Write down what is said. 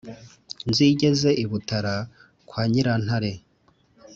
nzigeze i butara kwa nyirantare,